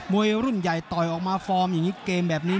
มัวลูนใหญ่ต่อยออกมาฟอร์มแบบนี้